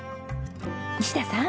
西田さん。